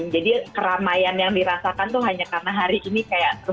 jadi keramaian yang dirasakan tuh hanya karena hari ini kayak terbuka